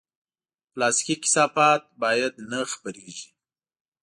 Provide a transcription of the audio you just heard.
پلاستيکي کثافات باید نه خپرېږي.